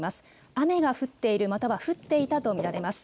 雨が降っているまたは降っていたと見られます。